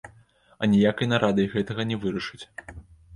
Аніякай нарадай гэтага не вырашыць.